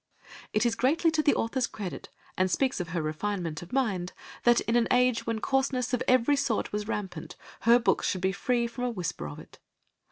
It is greatly to the author's credit, and speaks of her refinement of mind, that in an age when coarseness of every sort was rampant, her books should be free from a whisper of it.